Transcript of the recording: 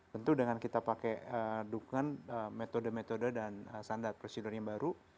tentu dengan kita pakai dukungan metode metode dan standar prosedur yang baru